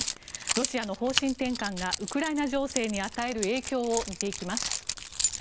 ロシアの方針転換がウクライナ情勢に与える影響を見ていきます。